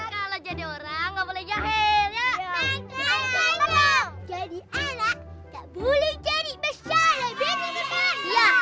makanya kalau jadi orang nggak boleh jahil ya makanya jadi anak tak boleh jadi besar lebih